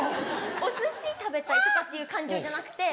お寿司食べたいとかっていう感情じゃなくて。